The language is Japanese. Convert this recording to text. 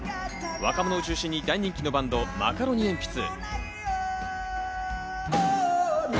若者を中心に大人気のバンド、マカロニえんぴつ。